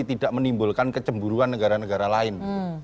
tidak menimbulkan kecemburuan negara negara lain